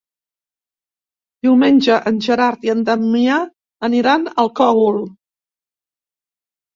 Diumenge en Gerard i en Damià aniran al Cogul.